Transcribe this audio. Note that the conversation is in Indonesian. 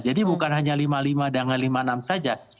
jadi bukan hanya lima puluh lima dan lima puluh enam saja